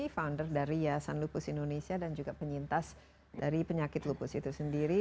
founder dari yayasan lupus indonesia dan juga penyintas dari penyakit lupus itu sendiri